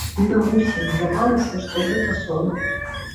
Нам усім здавалася, што гэта сон.